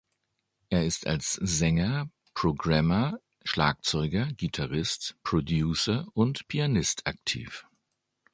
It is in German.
Er ist als Sänger, Programmer, Schlagzeuger, Gitarrist, Producer und Pianist aktiv.